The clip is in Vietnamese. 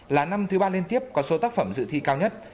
là năm thứ ba liên tiếp có số tác phẩm dự thi cao nhất